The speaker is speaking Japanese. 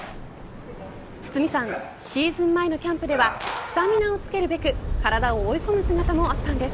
堤さんシーズン前のキャンプではスタミナをつけるべく体を追い込む姿もあったんです。